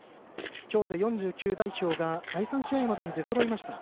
今日で４９代表が第３試合までに出そろいました。